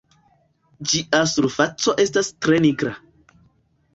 Ĝia surfaco estas tre nigra.